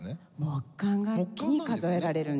木管楽器に数えられるんです。